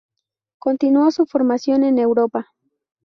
Continuó su formación en Europa.